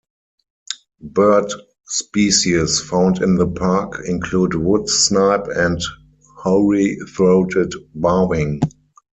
Bird species found in the park include Wood snipe and Hoary-throated barwing.